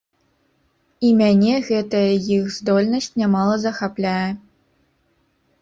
І мяне гэтая іх здольнасць нямала захапляе.